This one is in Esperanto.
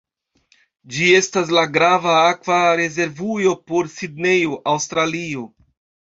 Ĝi estas la grava akva rezervujo por Sidnejo, Aŭstralio.